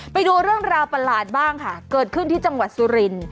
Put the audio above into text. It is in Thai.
ไปดูเรื่องราวประหลาดบ้างค่ะเกิดขึ้นที่จังหวัดสุรินทร์